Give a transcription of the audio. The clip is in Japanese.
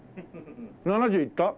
７０いった？